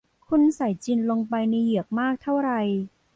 คุณใส่จินลงไปในเหยือกมากเท่าไร